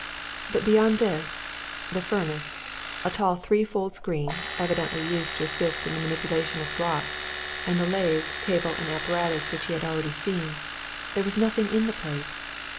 But beyond this, the furnace, a tall three fold screen, evidently used to assist in the manipulation of draughts, and the lathe, table, and apparatus which he had already seen, there was nothing in the place.